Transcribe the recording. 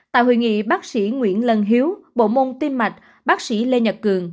tại hội nghị bác sĩ nguyễn lân hiếu bộ môn tim mạch bác sĩ lê nhật cường